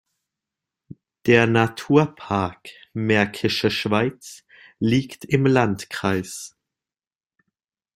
Der Naturpark Märkische Schweiz liegt im Landkreis.